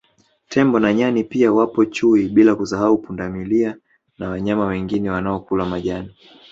Tembo na Nyani pia wapo Chui bila kusahau Pundamilia na wanyama wengine wanaokula majani